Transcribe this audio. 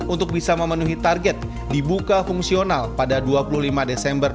untuk bisa memenuhi target dibuka fungsional pada dua puluh lima desember dua ribu dua puluh